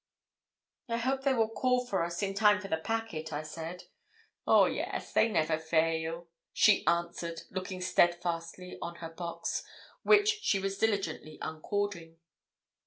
'I hope they will call us in time for the packet,' I said. 'Oh yes, they never fail,' she answered, looking steadfastly on her box, which she was diligently uncording.